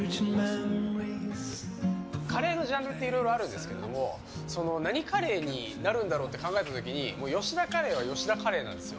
カレーのジャンルっていろいろあるんですけど何カレーになるんだろうって考えた時に吉田カレーは吉田カレーなんですよ。